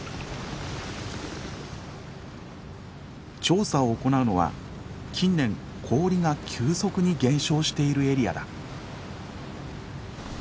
調査を行うのは近年氷が急速に減少しているエリアだ。